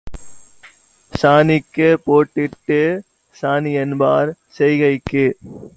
சாணிக்குப் பொட்டிட்டுச் சாமிஎன்பார் செய்கைக்கு